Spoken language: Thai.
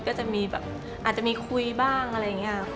ก็จะมีแบบอาจจะมีคุยบ้างอะไรอย่างนี้ค่ะ